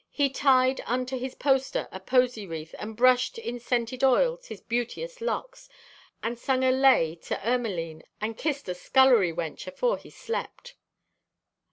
He tied unto his poster a posey wreath, and brushed in scented oils his beauteous locks, and sung a lay to Ermaline, and kissed a scullery wench afore he slept."